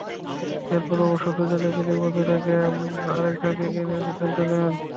এরপর অবশ্য দুজনে মিলেই বন্ধুত্বটাকে আরেক ধাপ এগিয়ে নেওয়ার সিদ্ধান্ত নেন।